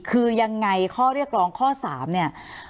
คือยังไงข้อเรียกร้องข้อ๓เนี่ย